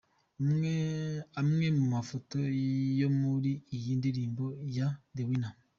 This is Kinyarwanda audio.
Amwe mu mafoto yo muri iyi ndirimbo ya The Winner.